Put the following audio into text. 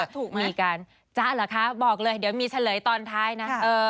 ถูกมีการจ๊ะเหรอคะบอกเลยเดี๋ยวมีเฉลยตอนท้ายนะ